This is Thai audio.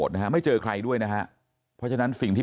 และก็คือว่าถึงแม้วันนี้จะพบรอยเท้าเสียแป้งจริงไหม